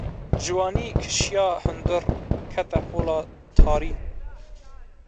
Ciwanî kişiya hundir, kete hola tarî.